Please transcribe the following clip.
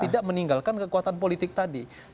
tidak meninggalkan kekuatan politik tadi